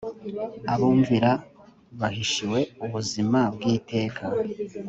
Abumvira bahishiwe ubuzima bw iteka